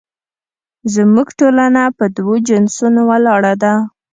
زموږ ټولنه په دوو جنسونو ولاړه ده